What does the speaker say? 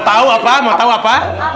mau tau apa mau tau apa